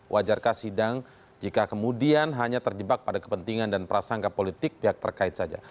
wajarkah sidang jika kemudian hanya terjebak pada kepentingan dan prasangka politik pihak terkait saja